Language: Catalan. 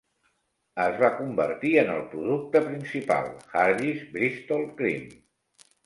Es va convertir en el producte principal: Harveys Bristol Cream.